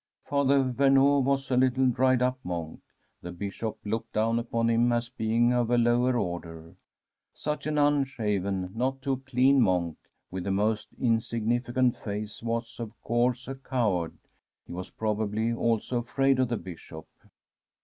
Father Vemeau was a little dried up monk. The. Bishop looked down upon him as being of a lower order. Such an unshaven, not too clean monk, with the most insignificant face, was, of course, a coward. He was, probably, also afraid of the Bishop.